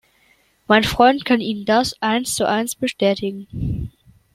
Mein Freund kann Ihnen das eins zu eins bestätigen.